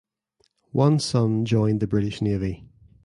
One son joined the British Navy.